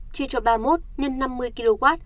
hai mươi bốn chia cho ba mươi một nhân năm mươi kw